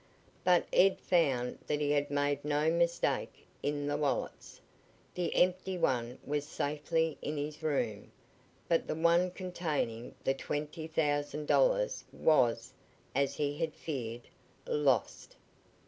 But Ed found that he had made no mistake in the wallets. The empty one was safely in his room, but the one containing the twenty thousand dollars was as he had feared lost.